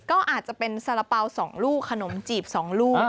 ก็อาจจะเป็นสาระเป๋า๒ลูกขนมจีบ๒ลูก